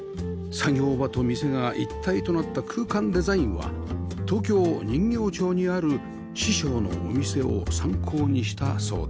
作業場と店が一体となった空間デザインは東京人形町にある師匠のお店を参考にしたそうです